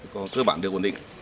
cơ bản được bổ định